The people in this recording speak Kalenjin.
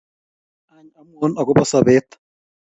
Any amwaun akobo sobet.